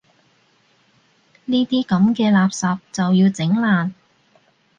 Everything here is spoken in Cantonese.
呢啲噉嘅垃圾就要整爛